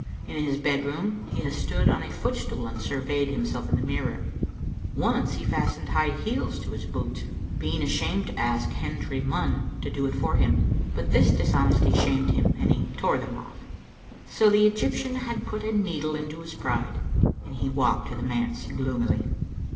In his bedroom he has stood on a foot stool and surveyed himself in the mirror. Once he fastened high heels to his boots, being ashamed to ask Hendry Munn to do it for him; but this dishonesty shamed him, and he tore them off. So the Egyptian had put a needle into his pride, and he walked to the manse gloomily.